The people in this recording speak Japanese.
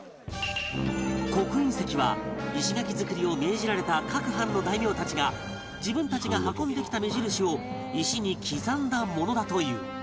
刻印石は石垣造りを命じられた各藩の大名たちが自分たちが運んできた目印を石に刻んだものだという